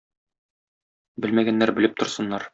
Белмәгәннәр белеп торсыннар!